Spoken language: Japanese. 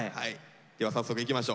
では早速いきましょう。